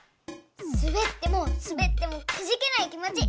すべってもすべってもくじけない気もち。